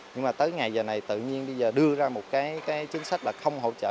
nhưng mà tới ngày giờ này tự nhiên bây giờ đưa ra một cái chính sách là không hỗ trợ